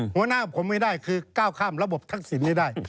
หัวหน้าผมไม่ได้คือก้าวข้ามระบบทักษิณนี้ได้